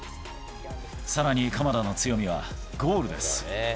さらに、鎌田の強みはゴールです。